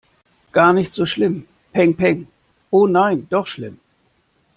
Gar nicht so schlimm. Pengpeng. Oh nein, doch schlimm!